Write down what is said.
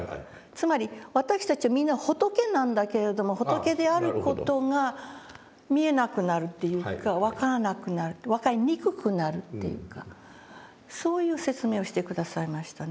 つまり私たちはみんな仏なんだけれども仏である事が見えなくなるというか分からなくなる分かりにくくなるっていうかそういう説明をして下さいましたね。